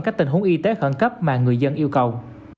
các tình huống y tế khẩn cấp mà người dân yêu cầu